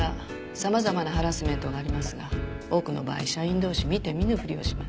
様々なハラスメントがありますが多くの場合社員同士見て見ぬふりをします。